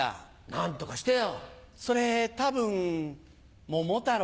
何とかしてよ。